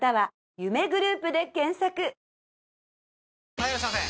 ・はいいらっしゃいませ！